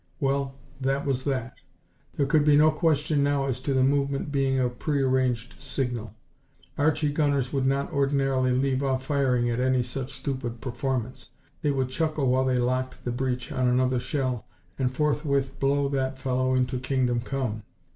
Well, that was that! There could be no question now as to the movement being a prearranged signal. Archie gunners would not ordinarily leave off firing at any such stupid performance they would chuckle while they locked the breach on another shell, and forthwith blow that fellow into Kingdom Come.